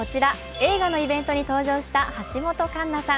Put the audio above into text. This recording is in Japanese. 映画のイベントに登場した橋本環奈さん。